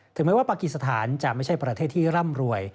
แม้ว่าปากีสถานจะไม่ใช่ประเทศที่ร่ำรวย